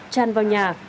chan vào nhà